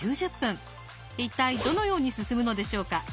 一体どのように進むのでしょうか？